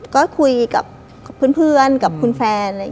ก็คุยกับเพื่อนกับคุณแฟน